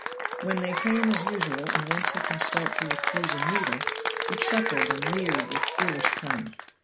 When they came, as usual, and went to consult the accusing needle, he chuckled and leered with foolish cunning.